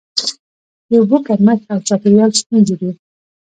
د اوبو کمښت او چاپیریال ستونزې دي.